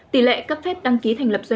tỷ lệ cấp phép đăng ký thành phố